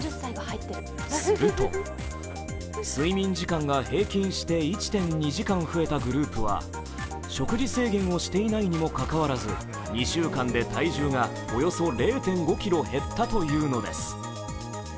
すると、睡眠時間が平均して１．２時間増えたグループは食事制限をしていないにもかかわらず、２週間で体重がおよそ０．５ｋｇ減ったというのです。